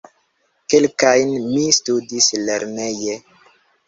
Kelkajn mi studis lerneje.